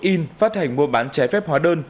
in phát hành mô bán trái phép hóa đơn